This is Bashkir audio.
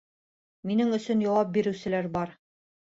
Минең өсөн яуап биреүселәр бар.